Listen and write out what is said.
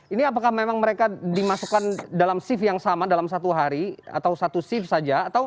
ini apakah memang mereka dimasukkan dalam shift yang sama dalam satu hari atau satu shift saja